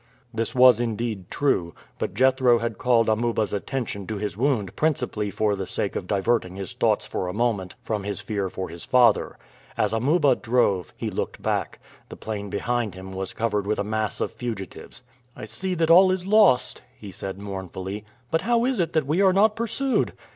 This was indeed true; but Jethro had called Amuba's attention to his wound principally for the sake of diverting his thoughts for a moment from his fear for his father. As Amuba drove, he looked back. The plain behind him was covered with a mass of fugitives. "I see that all is lost," he said mournfully. "But how is it that we are not pursued?"